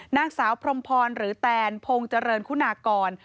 นางสาวพรมพรหรือแตนพงศ์เจริญคุณากร